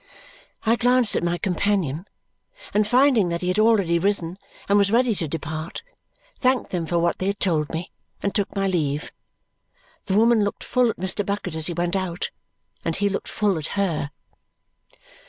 I glanced at my companion, and finding that he had already risen and was ready to depart, thanked them for what they had told me, and took my leave. The woman looked full at Mr. Bucket as he went out, and he looked full at her.